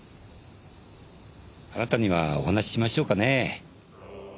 あなたにはお話ししましょうかねぇ。